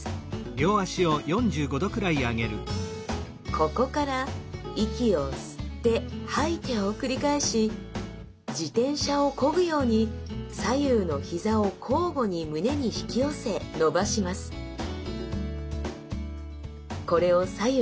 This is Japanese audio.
ここから息を吸って吐いてを繰り返し自転車をこぐように左右の膝を交互に胸に引き寄せ伸ばしますえできるかな？